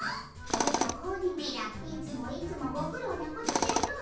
おじゃ子鬼めらいつもいつもご苦労なことじゃの。